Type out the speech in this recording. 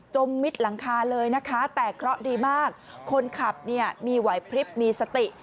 มมิดหลังคาเลยนะคะแต่เคราะห์ดีมากคนขับเนี่ยมีไหวพลิบมีสติ